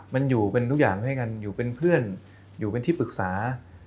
มันอยู่เป็นทุกอย่างให้กันอยู่เป็นเพื่อนอยู่เป็นที่ปรึกษา